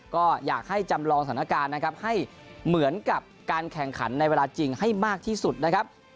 ก็อยากให้จำลองสถานการณ์นะครับให้เหมือนกับการแข่งขันในเวลาจริงให้มากที่สุดนะครับ